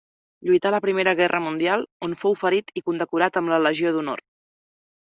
Lluità a la Primera Guerra Mundial, on fou ferit i condecorat amb la Legió d'Honor.